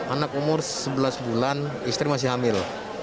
anak umur sebelas bulan istri masih hamil